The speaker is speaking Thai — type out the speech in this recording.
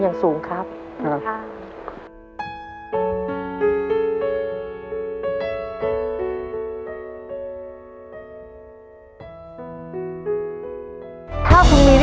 ภายในเวลา๓นาที